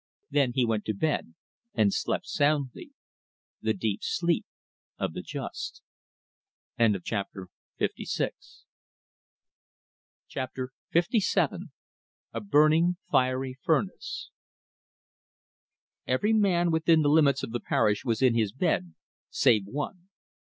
Then he went to bed, and slept soundly the deep sleep of the just. CHAPTER LVII. A BURNING FIERY FURNACE Every man within the limits of the parish was in his bed, save one.